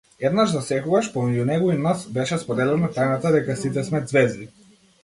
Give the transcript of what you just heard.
Еднаш засекогаш, помеѓу него и нас, беше споделена тајната дека сите сме ѕвезди.